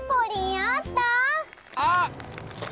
あっ！